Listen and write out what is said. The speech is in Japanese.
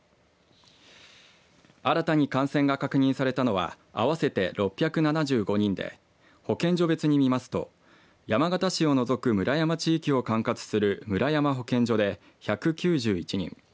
新たに感染が確認されたのは合わせて６７５人で保健所別に見ますと山形市を除く村山地域を管轄する村山保健所で１９１人。